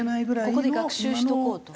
ここで学習しとこうと。